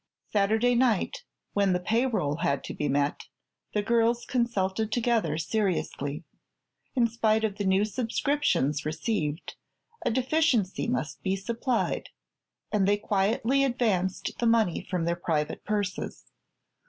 Saturday night, when the pay roll had to be met, the girls consulted together seriously. In spite of the new subscriptions received, a deficiency must be supplied, and they quietly advanced the money from their private purses.